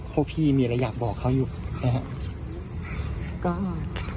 พวกพี่มีอะไรอยากบอกเขาอยู่นะครับ